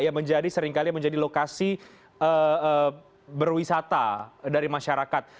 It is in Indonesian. ya seringkali menjadi lokasi berwisata dari masyarakat